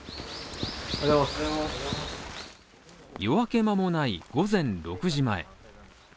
夜明けまもない午前６時前。